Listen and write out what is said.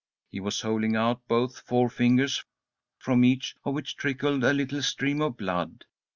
He was holding out both forefingers, from each of which trickled a little stream of blood.